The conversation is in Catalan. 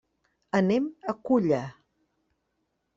Anem a Culla.